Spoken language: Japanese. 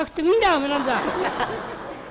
おめえなんざ。